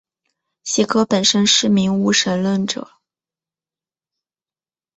席格本身是名无神论者。